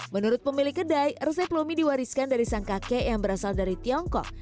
menurut pemilik kedai resep lumi diwariskan dari sang kakek yang berasal dari tiongkok